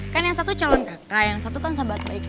kan yang satu calon kakak yang satu kan sahabat baik